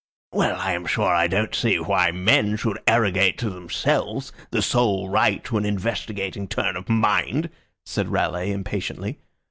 "Well, I am sure I don't see why men should arrogate to themselves the sole right to an investigating turn of mind," said Raleigh, impatiently.